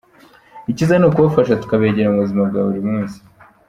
Icyiza ni ukubafasha tukabegera mu buzima bwa buri munsi.